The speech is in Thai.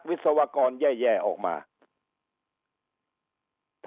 ถ้าวิศวกรออกมาที่แย่